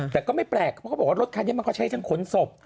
แต่ก็ไม่แปลกเพราะเขาบอกว่ารถคันนี้มันก็ใช้ทั้งขนศพ